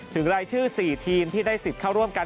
รายชื่อ๔ทีมที่ได้สิทธิ์เข้าร่วมกัน